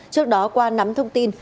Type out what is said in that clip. trước đó qua nắm thông tin